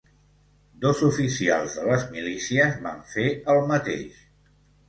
Dos oficials de les milícies van fer el mateix